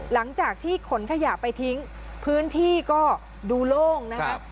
หลังจากที่ขนขยะไปทิ้งพื้นที่ก็ดูโล่งนะครับ